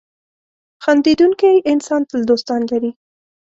• خندېدونکی انسان تل دوستان لري.